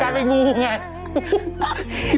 จะเป็นนูไง